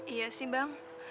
iya sih bang